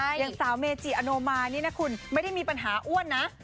อย่างสาวเมจิอโนมานี่นะคุณไม่ได้มีปัญหาอ้วนนะ